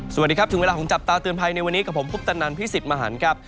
สวัสดีครับถึงเวลาของจับตาเตือนภัยในวันนี้กับผมคุปตนันพี่สิทธิ์มหันครับ